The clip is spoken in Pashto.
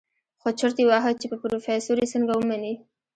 خو چورت يې وهه چې په پروفيسر يې څنګه ومني.